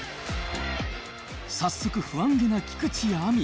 早速、不安げな菊地亜美。